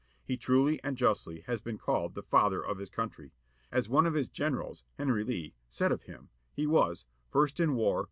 He truly and ii|,|ji|( justly has been called the Father of his country. As one of his generals, [ j Henry Lee, said of him, he was, "First in war.